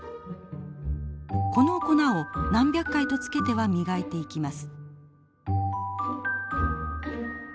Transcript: この粉を何百回と付けては磨いていきます。